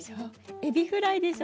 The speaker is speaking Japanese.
エビフライでしょ。